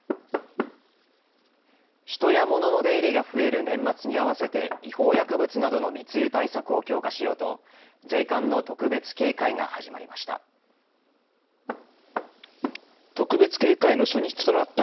人や物の出入りが増える年末に合わせて違法薬物などの密輸対策を強化しようと税関の特別警戒が始まりました。